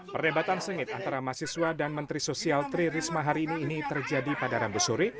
perdebatan sengit antara mahasiswa dan menteri sosial tri risma hari ini ini terjadi pada rabu sore